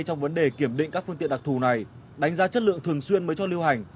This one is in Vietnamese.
trong vấn đề kiểm định các phương tiện đặc thù này đánh giá chất lượng thường xuyên mới cho lưu hành